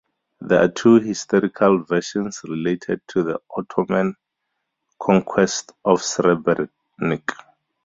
There are two historical versions related to the Ottoman conquest of Srebrenik.